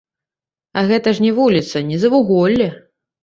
А гэта ж не вуліца, не завуголле.